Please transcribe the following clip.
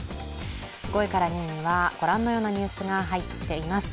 ５位から２位にはご覧のようなニュースが入っています。